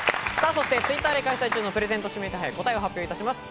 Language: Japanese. そしてＴｗｉｔｔｅｒで開催中のプレゼント指名手配、答えを発表いたします。